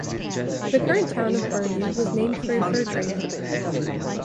The current town of Birney was named for a fur trader.